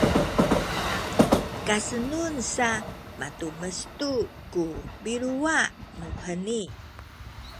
kasenun sa matumes tu ku biluwa nuheni